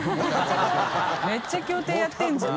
めっちゃ競艇やってるじゃん。